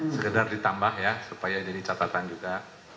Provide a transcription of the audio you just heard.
sekedar ditambah ya supaya jadi catatan juga